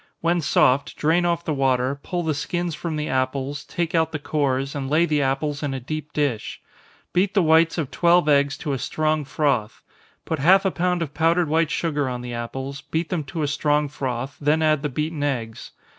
When soft, drain off the water, pull the skins from the apples, take out the cores, and lay the apples in a deep dish. Beat the whites of twelve eggs to a strong froth put half a pound of powdered white sugar on the apples, beat them to a strong froth, then add the beaten eggs.